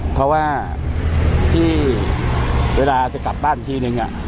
เพราะว่าที่เวลาจะกลับบ้านอีกทีนึง